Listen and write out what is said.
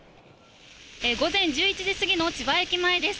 午前１１時過ぎの千葉駅前です。